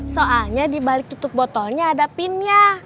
soalnya di balik tutup botolnya ada pin nya